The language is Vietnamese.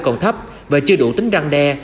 còn thấp và chưa đủ tính răng đe